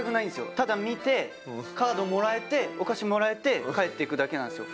ただ見てカードもらえてお菓子もらえて帰っていくだけなんですよ。